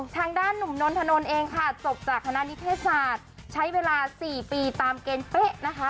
ทางด้านหนุ่มนนทนนท์เองค่ะจบจากคณะนิเทศศาสตร์ใช้เวลา๔ปีตามเกณฑ์เป๊ะนะคะ